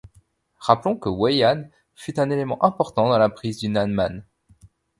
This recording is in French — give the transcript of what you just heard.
Rappelons que Wei Yan fut un élément important dans la prise du Nanman.